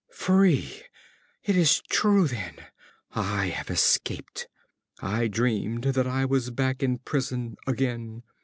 _) Free! It is true, then! I have escaped! I dreamed that I was back in prison again!